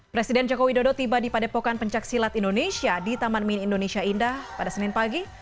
presiden jokowi dodo tiba di padepokan pencaksilat indonesia di taman mini indonesia indah pada senin pagi